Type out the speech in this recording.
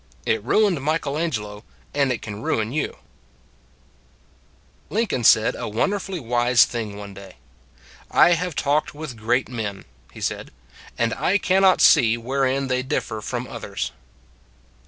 IT RUINED MICHELANGELO: AND IT CAN RUIN YOU LINCOLN said a wonderfully wise thing one day. " I have talked with great men," he said, " and I cannot see wherein they differ from others."